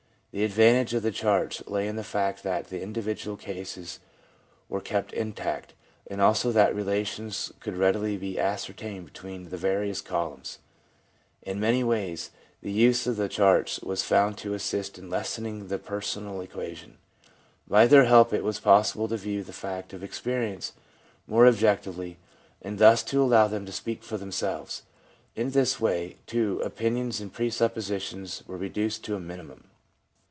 The advantage of the charts lay in the fact that the individual cases were kept intact, and also that relations could readily be ascertained between the various columns. In many ways the use of the charts w^s found to assist INTRODUCTION 15 in lessening the personal equation. By their help it was possible to view the facts of experience more objec tively, and thus to allow them to speak for themselves. In this way, too, opinions and presuppositions were reduced to a minimum.